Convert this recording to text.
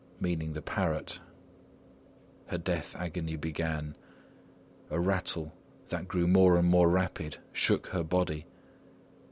meaning the parrot. Her death agony began. A rattle that grew more and more rapid shook her body.